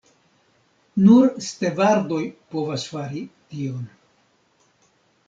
Nur stevardoj povas fari tion.